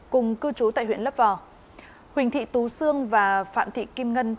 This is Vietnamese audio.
cùng cư trú tại huyện lấp vò huỳnh thị tú sương và phạm thị kim ngân